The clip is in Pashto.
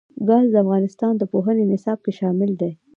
ګاز د افغانستان د پوهنې نصاب کې شامل دي.